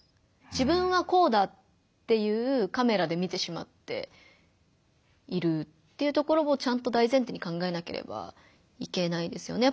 「自分はこうだ」っていうカメラで見てしまっているっていうところをちゃんと大前提に考えなければいけないですよね。